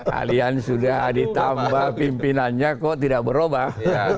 kalian sudah ditambah pimpinannya kok tidak berubah